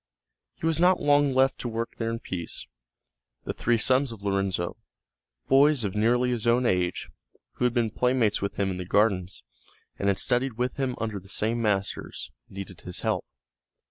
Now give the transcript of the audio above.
He was not long left to work there in peace; the three sons of Lorenzo, boys of nearly his own age, who had been playmates with him in the gardens, and had studied with him under the same masters, needed his help.